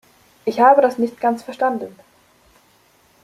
Ich habe das nicht ganz verstanden.